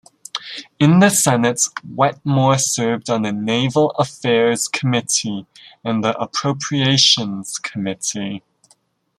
In the Senate, Wetmore served on the Naval Affairs Committee and the Appropriations Committee.